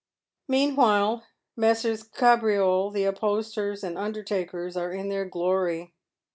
Meanwhile Messrs. Kabriole, the upholsterers and undertakers, are in their glory.